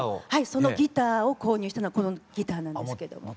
そのギターを購入したのはこのギターなんですけども。